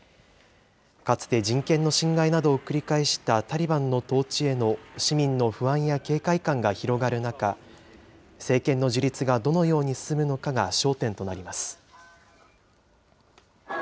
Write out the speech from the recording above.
かつて人権の侵害などを繰り返したタリバンの統治への市民の不安や警戒感が広がる中、政権の樹立がどのように進むのかが焦点となります。